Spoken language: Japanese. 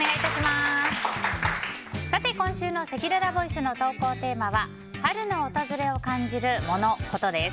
今週のせきららボイスの投稿テーマは春の訪れを感じるモノ・コトです。